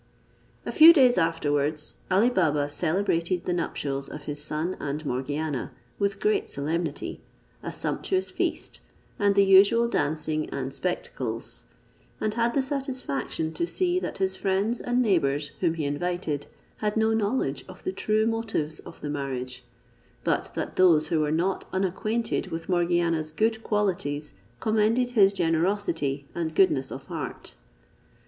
A few days afterwards, Ali Baba celebrated the nuptials of his son and Morgiana with great solemnity, a sumptuous feast, and the usual dancing and spectacles; and had the satisfaction to see that his friends and neighbours, whom he invited, had no knowledge of the true motives of the marriage; but that those who were not unacquainted with Morgiana's good qualities commended his generosity and goodness of heart.